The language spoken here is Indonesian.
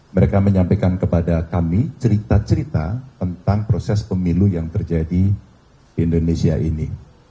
mereka menyampaikan kepada kami cerita cerita tentang proses pemilu yang terjadi di indonesia ini